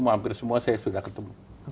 hampir semua saya sudah ketemu